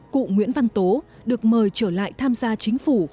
cụ nguyễn văn tố được mời trở lại tham gia chính phủ